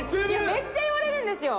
めっちゃ言われるんですよ